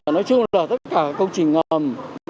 nói chung là tất cả công trình ngầm